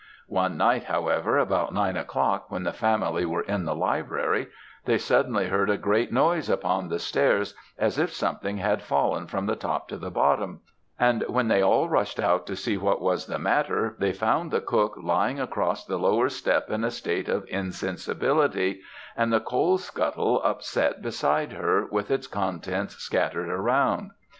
One night, however, about nine o'clock, when the family were in the library, they suddenly heard a great noise upon the stairs, as if something had fallen from the top to the bottom, and when they all rushed out to see what was the matter, they found the cook lying across the lower step in a state of insensibility, and the coalscuttle upset beside her, with its contents scattered around.